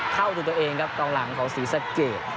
เข้าตัวตัวเองครับกลางหลังของศรีสัตว์เกต